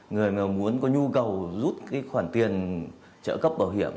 người mà muốn có nhu cầu rút cái khoản tiền trợ cấp bảo hiểm